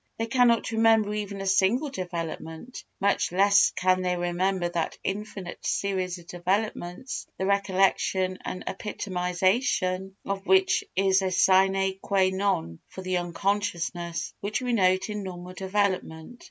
They cannot remember even a single development, much less can they remember that infinite series of developments the recollection and epitomisation of which is a sine qua non for the unconsciousness which we note in normal development.